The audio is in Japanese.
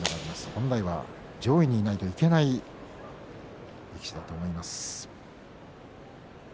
本来は上位にいなければいけない力士だと思います。